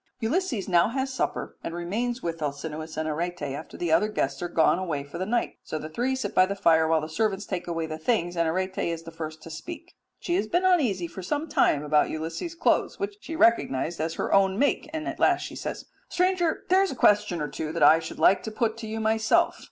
Ulysses now has supper and remains with Alcinous and Arete after the other guests are gone away for the night. So the three sit by the fire while the servants take away the things, and Arete is the first to speak. She has been uneasy for some time about Ulysses' clothes, which she recognized as her own make, and at last she says, "Stranger, there is a question or two that I should like to put to you myself.